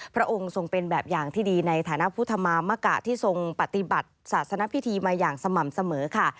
พระองค์ทรงเป็นแบบอย่างที่ดีในฐานะพุทธมามกะที่ทรงปฏิบัติศาสนพิธีมาอย่างสม่ำเสมอค่ะ